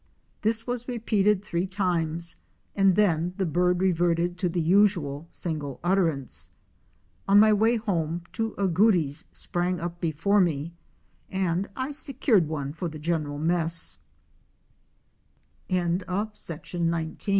This was repeated three times and then the bird reverted to the usual single utterance. On my way home two agoutis sprang up before me and I secured one for the g